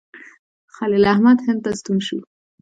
خلیل احمد هند ته ستون شو.